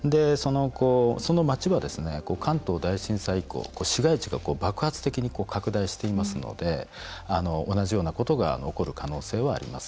その街は関東大震災以降市街地が爆発的に拡大していますので同じようなことが起こる可能性はあります。